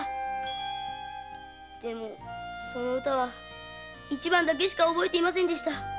でもその歌は一番だけしか覚えていません。